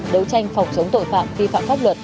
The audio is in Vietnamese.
đấu tranh phòng chống tội phạm vi phạm pháp luật